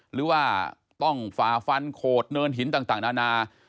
หรือว่าต้องฝ่าฟันโขดเนินหินต่างนานา